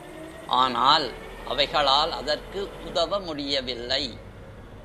ஆனால், அவைகளால் அதற்கு உதவ முடியவில்லை.